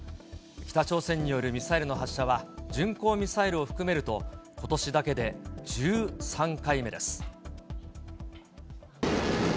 北朝鮮によるミサイルの発射は、巡航ミサイルを含めると、ことしだけで１３回目です。